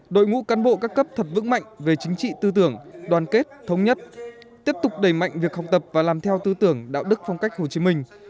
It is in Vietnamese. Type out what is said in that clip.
đội ngũ cán bộ các cấp thật vững mạnh về chính trị tư tưởng đoàn kết thống nhất tiếp tục đẩy mạnh việc học tập và làm theo tư tưởng đạo đức phong cách hồ chí minh